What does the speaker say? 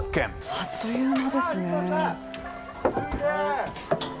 あっという間ですね。